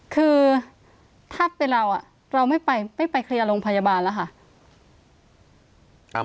คือถ้าเป็นเราเราไม่ไปเคลียร์โรงพยาบาลแล้วค่ะ